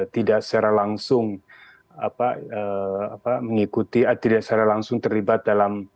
tidak secara langsung mengikuti atau tidak secara langsung terlibat dalam